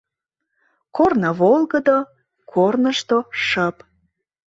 Корно волгыдо, корнышто шып...